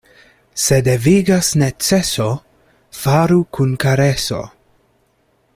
Se devigas neceso, faru kun kareso.